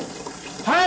はい！